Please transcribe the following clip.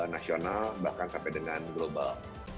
nasional bahkan sampai dengan global